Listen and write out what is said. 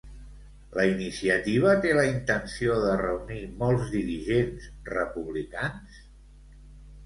La iniciativa té la intenció de reunir molts dirigents republicans?